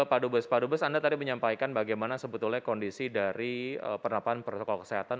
pak dubez anda tadi menyampaikan bagaimana sebetulnya kondisi dari penerapan protokol kesehatan